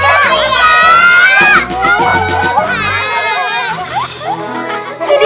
nanti aku mau beli